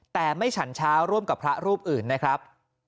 แต่ไม่ฉันเช้าร่วมกับพระรูปอื่นนะครับ